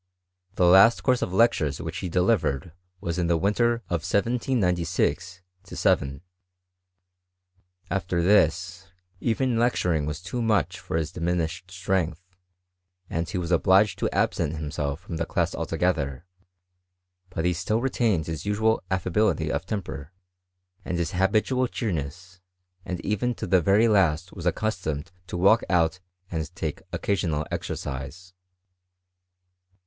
The Ifkst course of lectures which he delivered was in the irinter of 1796 7. After this, even lecturing was too tnuch for his diminished strength, and he was obliged to absent himself from the class altogether ; but he still retained his usual affability of temper, and his habitual cheerfulness, and even to the very last was accustomed to walk out and take occasional exercise.